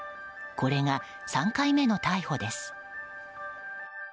これが、３回目の逮捕です。